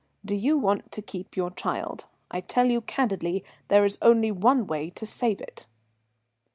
Do you want to keep your child? I tell you candidly there is only one way to save it."